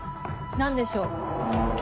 何でしょう？